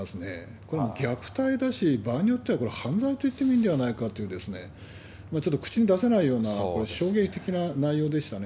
これはもう虐待だし、場合によってはこれ、犯罪と言ってもいいのではないかという、ちょっと口に出せないような、衝撃的な内容でしたね。